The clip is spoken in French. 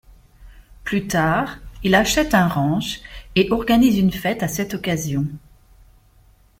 Plus tard il achète un ranch et organise une fête à cette occasion.